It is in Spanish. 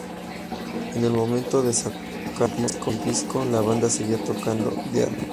En el momento de sacado el disco, la banda seguía tocando death metal.